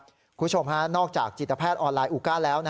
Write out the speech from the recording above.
คุณผู้ชมฮะนอกจากจิตแพทย์ออนไลนอูก้าแล้ว